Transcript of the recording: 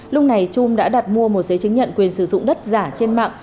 lúc này trung đã đặt mua một giấy chứng nhận quyền sử dụng đất giả trên mạng